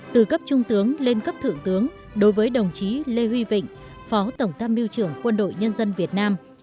từ cấp trung tướng lên cấp thượng tướng đối với đồng chí lê huy vịnh phó tổng tham mưu trưởng quân đội nhân dân việt nam